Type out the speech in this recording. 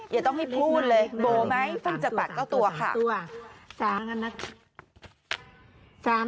อย่าต้องให้พูดเลยโบว์ไหมฟังจากปากเก้าตัวค่ะ